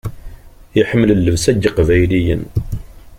Iḥemmel llebsa n yeqbayliyen?